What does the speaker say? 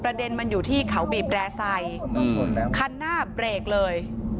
เด็นมันอยู่ที่เขาบีบแร่ไซค์คันหน้าเบรกเลย